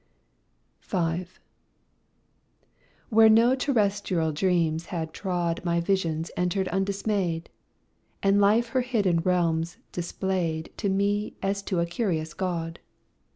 V Where no terrestrial dreams had trod My vision entered undismayed, And Life her hidden realms displayed To me as to a curious god.